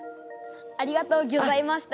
ありがとうギョざいました。